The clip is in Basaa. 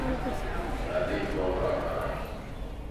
Malét bo ñwaa baa!